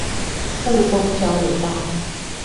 霧峰交流道